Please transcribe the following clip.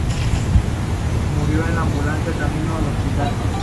Murió en la ambulancia camino del hospital.